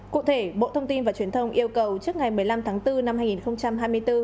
cụ thể bộ thông tin và truyền thông yêu cầu trước ngày một mươi năm tháng bốn năm hai nghìn hai mươi bốn